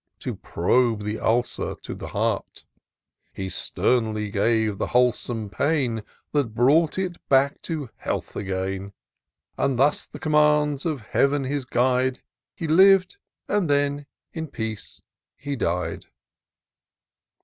To probe the ulcer to the heart ; He sternly gave the wholesome pain That brought it back to health again. M { 82 TOUR OF DOCTOR SYNTAX Thus, the commands of Heav'n his guide, He liv'd, — and then in peace he died.'